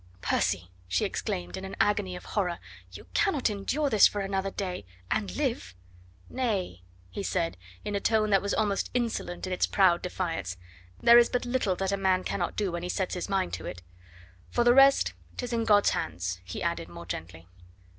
"Percy," she exclaimed in an agony of horror, "you cannot endure this another day and live!" "Nay!" he said in a tone that was almost insolent in its proud defiance, "there is but little that a man cannot do an he sets his mind to it. For the rest, 'tis in God's hands!" he added more gently.